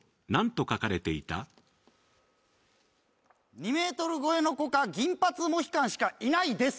２ｍ超えの子か銀髪モヒカンしかいないです。